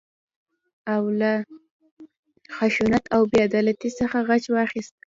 او له خشونت او بې عدالتۍ څخه غچ واخيست.